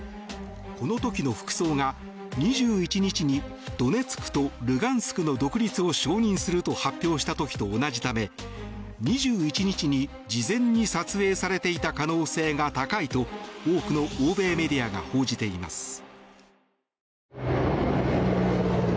この時の服装が２１日にドネツクとルガンスクの独立を承認すると発表した時と同じため２１日に事前に撮影されていた可能性が高いと多くの欧米メディアが報じています。